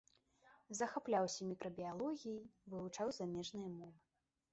Захапляўся мікрабіялогіяй, вывучаў замежныя мовы.